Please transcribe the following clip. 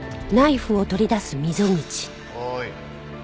おい。